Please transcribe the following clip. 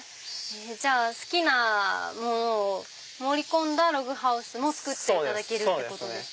じゃあ好きなものを盛り込んだログハウスも作っていただけるんですか？